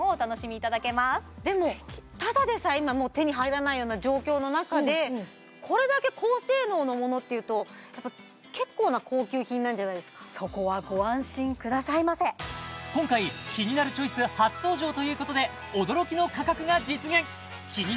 ただでさえ今手に入らないような状況の中でこれだけ高性能のものっていうとやっぱ結構な高級品なんじゃないですかそこはご安心くださいませ今回「キニナルチョイス」初登場ということで驚きの価格が実現！